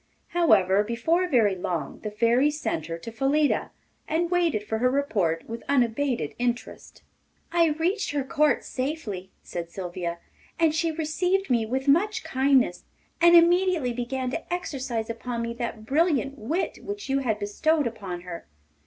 However, before very long the Fairy sent her to Phyllida, and waited for her report with unabated interest. 'I reached her court safely,' said Sylvia, 'and she received me with much kindness, and immediately began to exercise upon me that brilliant wit which you had bestowed upon her.